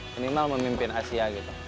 minimal memimpin asia gitu